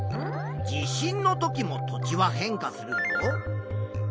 地震のときも土地は変化するぞ。